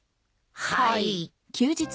はい。